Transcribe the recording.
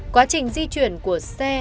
quá trình di chuyển của xe